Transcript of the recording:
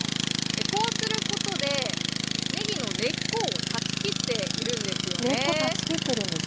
こうすることで、ねぎの根っこを断ち切っているんですよね。